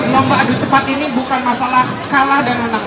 lomba adu cepat ini bukan masalah kalah dan menang